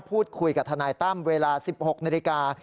พูดคุยกับทนายตั้มเวลา๑๖นาฬิกา